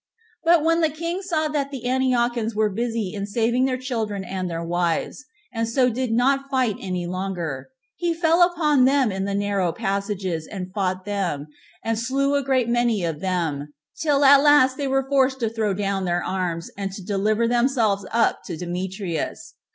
But when the king saw that the Antiochians were were busy in saving their children and their wives, and so did not fight any longer, he fell upon them in the narrow passages, and fought them, and slew a great many of them, till at last they were forced to throw down their arms, and to deliver themselves up to Demetrius.